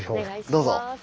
どうぞ。